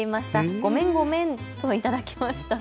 ごめんごめんと頂きました。